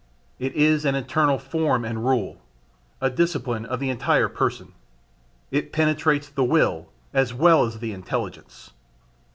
It is an internal form and rule, a discipline of the entire person: it penetrates the will as well as the intelligence.